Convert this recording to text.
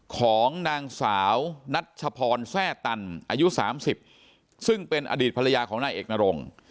ของนางสาวนัชพรแทร่ตันอายุ๓๐ซึ่งเป็นอดีตภรรยาของนายเอกนรง